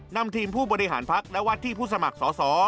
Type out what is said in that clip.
นำทีมผู้บริหารพักและวัดที่ผู้สมัครสอสอ